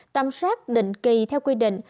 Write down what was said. tâm sát định kỳ theo quy định